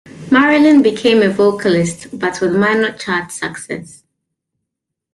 Marilyn became a vocalist, but with minor chart success.